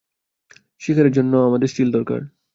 শিকারের জন্য আমাদের সিল দরকার।